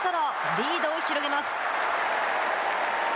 リードを広げます。